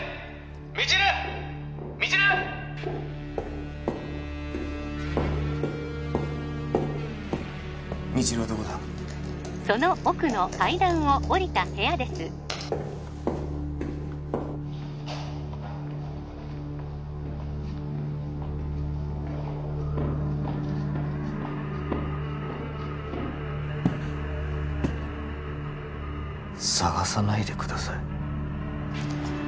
未知留はどこだその奥の階段をおりた部屋です「探さないで下さい」